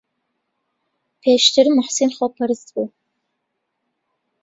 پێشتر موحسین خۆپەرست بوو.